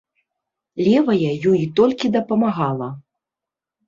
Левая ёй толькі дапамагала.